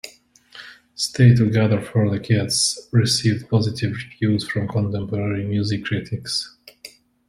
"Stay Together for the Kids" received positive reviews from contemporary music critics.